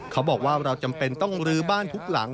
เขาบอกว่าเราจำเป็นต้องลื้อบ้านทุกหลัง